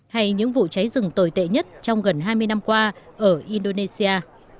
hay những vụ cháy rừng tồi tệ nhất trong gần hai mươi năm qua ở indonesia